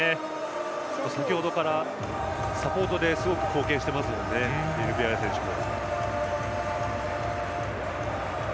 先程からサポートですごく貢献していますのでビエルビアレ選手も。